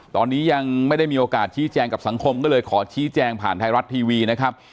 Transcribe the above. ตอนนี้ยังไม่ได้มีโอกาสชี้แจงกับสังคมก็เลยขอชี้แจงผ่านไทยรัฐทีวีนะครับ